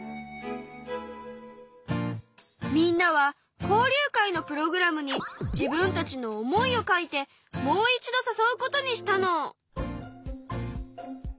みんなは交流会のプログラムに自分たちの思いを書いてもう一度さそうことにしたの。